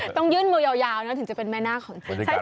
ต้องยื่นมือยาวนะถึงจะเป็นแม่นาคของจริง